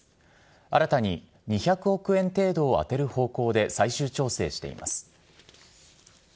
新たに２００億円程度を充てる方向で最終調整しています。